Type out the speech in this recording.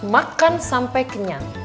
makan sampai kenyang